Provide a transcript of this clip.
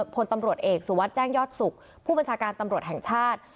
พลตำรวจเอกสุวัสดิ์แจ้งยอดสุขผู้บัญชาการตำรวจแห่งชาติ